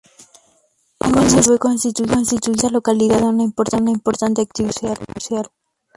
Con los años se fue constituyendo en esta localidad una importante actividad comercial.